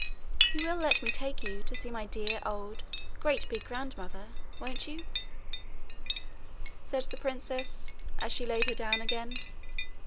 'You will let me take you to see my dear old great big grandmother, won't you?' said the princess, as she laid her down again.